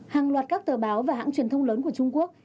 hàng loạt các tờ báo và hãng truyền thông lớn của trung quốc